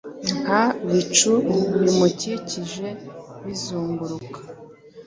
Nka bicu bimukikije bizunguruka.